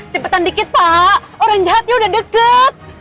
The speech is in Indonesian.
cepetan dikit pak orang jahatnya udah deket